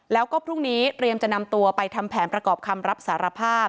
แล้วก็พรุ่งนี้เตรียมจะนำตัวไปทำแผนประกอบคำรับสารภาพ